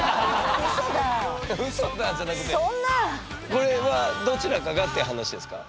これはどちらかがって話ですか？